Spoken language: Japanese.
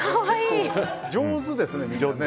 上手ですね。